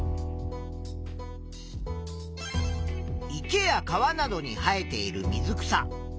池や川などに生えている水草。